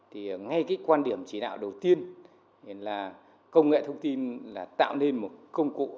thì ngay cái quan điểm chỉ đạo đầu tiên là công nghệ thông tin là tạo nên một công cụ